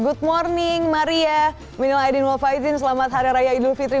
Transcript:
good morning maria minil aidin wafaidin selamat hari raya idul fitri